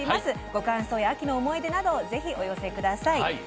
ご感想や秋の思い出などをぜひ、お寄せください。